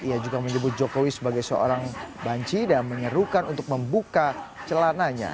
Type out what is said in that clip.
ia juga menyebut jokowi sebagai seorang banci dan menyerukan untuk membuka celananya